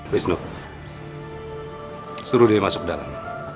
wisnu suruh dia masuk dalam